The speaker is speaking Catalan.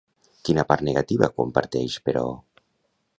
Quina part negativa comparteix, però?